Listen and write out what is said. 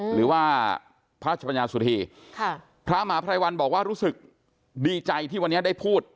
หรือว่าพระชปัญญาสุธีค่ะพระมหาภัยวันบอกว่ารู้สึกดีใจที่วันนี้ได้พูด